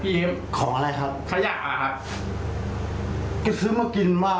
พี่ยิ้มของอะไรครับขยะอ่ะครับก็ซื้อมากินมา